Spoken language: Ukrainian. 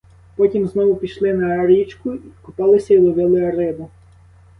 Потім знову пішли на річку, купалися й ловили рибу.